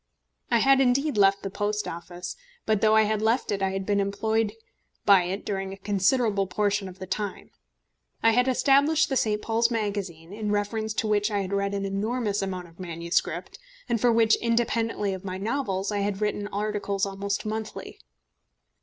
I had indeed left the Post Office, but though I had left it I had been employed by it during a considerable portion of the time. I had established the St. Paul's Magazine, in reference to which I had read an enormous amount of manuscript, and for which, independently of my novels, I had written articles almost monthly.